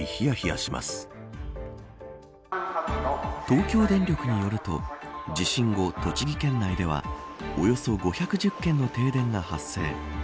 東京電力によると地震後、栃木県内ではおよそ５１０軒の停電が発生。